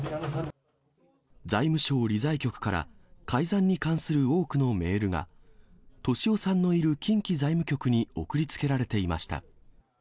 財務省理財局から改ざんに関する多くのメールが、俊夫さんのいる近畿財務局に送りつけられていました。